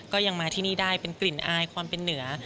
ก็ยังมาที่นี่ได้เป็นกลิ่นอายความเป็นเหนือ